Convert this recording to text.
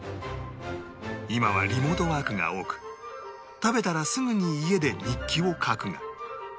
今はリモートワークが多く食べたらすぐに家で日記を描くが